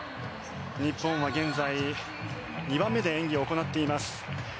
日本は現在２番目で演技を行っています。